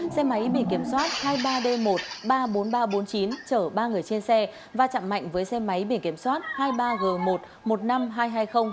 xe máy biển kiểm soát hai mươi ba d một ba mươi bốn nghìn ba trăm bốn mươi chín chở ba người trên xe và chạm mạnh với xe máy biển kiểm soát hai mươi ba g một một mươi năm nghìn hai trăm hai mươi